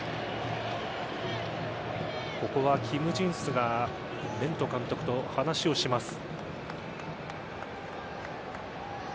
ここはキム・ジンスがベント監督と話をします。